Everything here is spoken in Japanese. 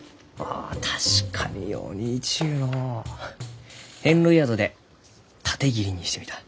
あ確かによう似いちゅうのう。遍路宿で縦切りにしてみた。